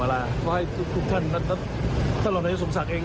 เพราะให้ทุกท่านท่านหลังนัยสมศักดิ์เอง